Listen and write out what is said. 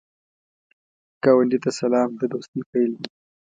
ګاونډي ته سلام، د دوستۍ پیل دی